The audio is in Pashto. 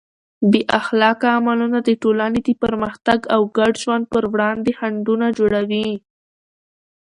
بې اخلاقه عملونه د ټولنې د پرمختګ او ګډ ژوند پر وړاندې خنډونه جوړوي.